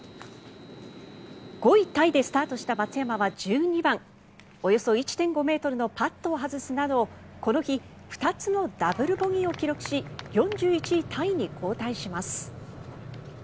５位タイでスタートした松山は１２番およそ１．５ｍのパットを外すなどこの日２つのダブルボギーを記録し４１位タイに後退します。